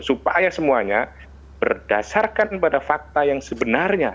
supaya semuanya berdasarkan pada fakta yang sebenarnya